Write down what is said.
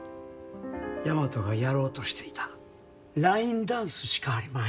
大和がやろうとしていたラインダンスしかありまへん。